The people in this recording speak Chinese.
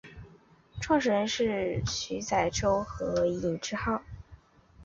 创始人是徐载弼和尹致昊。